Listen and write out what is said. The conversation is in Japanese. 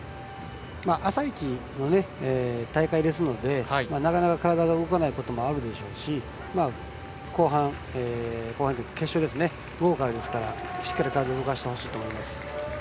朝一の大会ですのでなかなか体が動かないこともあるでしょうし決勝は午後からなのでしっかり体を動かしてほしいと思います。